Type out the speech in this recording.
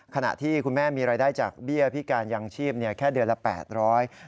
ขณะที่คุณแม่มีรายได้จากเบี้ยพิการยางชีพแค่เดือนละ๘๐๐บาท